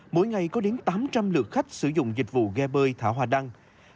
mỗi ngày có đến tám trăm linh lượt khách sử dụng dịch vụ ghe bơi thả hoa đăng